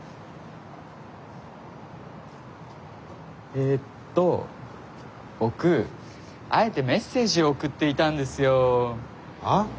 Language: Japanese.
えっと僕あえてメッセージを送っていたんですよ。